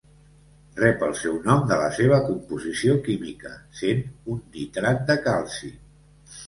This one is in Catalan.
Rep el seu nom de la seva composició química, sent un nitrat de calci.